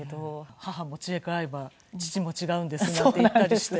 「母も違えば父も違うんです」なんて言ったりして。